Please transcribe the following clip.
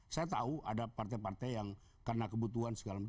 saya tahu ada partai partai yang karena kebutuhan segala macam